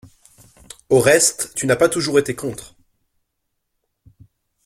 Au reste, tu n'as pas toujours été contre!